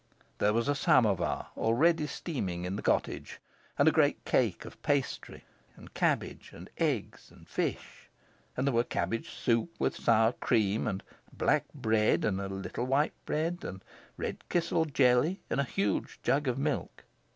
There was a samovar already steaming in the cottage, and a great cake of pastry, and cabbage and egg and fish. And there were cabbage soup with sour cream, and black bread and a little white bread, and red kisel jelly and a huge jug of milk.